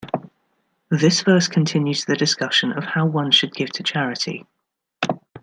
This verse continues the discussion of how one should give to charity.